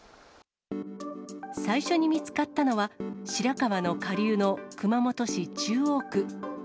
最初に見つかったのは白川の下流の熊本市中央区。